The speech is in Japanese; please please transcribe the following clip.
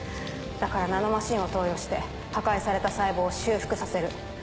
だからナノマシンを投与して破壊された細胞を修復させる。